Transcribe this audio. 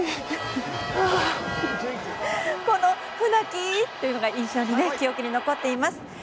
この船木ーというのが記憶に残っています。